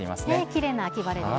きれいな秋晴れです。